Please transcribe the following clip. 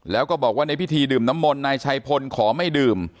แล้วก็บอกว่าในพิธีดื่มน้ำมนต์นายชัยพลขอไม่ดื่ม